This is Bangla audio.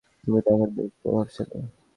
তুমি তো এখন বেশ প্রভাবশালী।